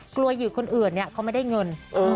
กลัวอยู่คนอื่นนี่อย่างไม่ได้เงิน